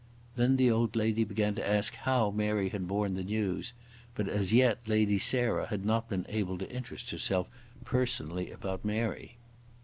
Then the old lady began to ask how Mary had borne the news; but as yet Lady Sarah had not been able to interest herself personally about Mary.